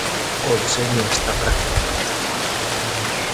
O deseño está practicamente rematado.